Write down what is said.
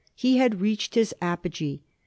He had reached his apogee.